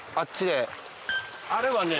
あれはね。